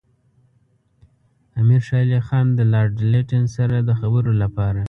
امیر شېر علي خان د لارډ لیټن سره د خبرو لپاره.